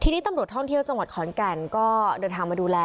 ทีนี้ตำรวจท่องเที่ยวจังหวัดขอนแก่นก็เดินทางมาดูแล